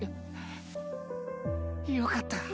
よかった。